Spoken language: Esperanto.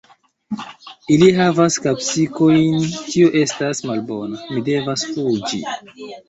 Ili havas kapsikojn tio estas malbona; mi devas fuĝi